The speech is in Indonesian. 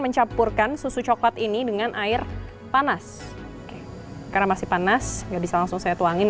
mencampurkan susu coklat ini dengan air panas karena masih panas nggak bisa langsung saya tuangin